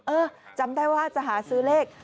เออจำได้ว่าจะหาซื้อเลข